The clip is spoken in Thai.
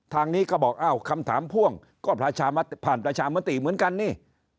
ทางนี้ก็บอกอ้าวคำถามพ่วงก็ประชาผ่านประชามติเหมือนกันนี่